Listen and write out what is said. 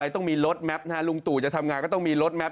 ต้องมีรถแมพนะฮะลุงตู่จะทำงานก็ต้องมีรถแป๊